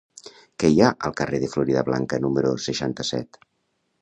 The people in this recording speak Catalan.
Què hi ha al carrer de Floridablanca número seixanta-set?